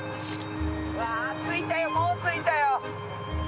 うわぁ着いたよもう着いたよ。